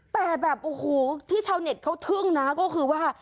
แต่แบบโอ้โหที่ชาวเน็ตเขาทึ่งนะก็คือว่า